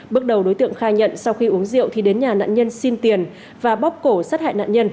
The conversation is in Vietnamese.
bước đầu đối tượng khai nhận sau khi uống rượu thì đến nhà nạn nhân xin tiền và bóc cổ sát hại nạn nhân